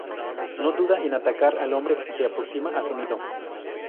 No duda en atacar al hombre si se aproxima a su nido.